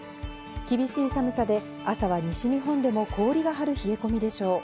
厳しい寒さで、朝は西日本でも氷が張る冷え込みでしょう。